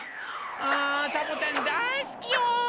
あサボテンだいすきよ。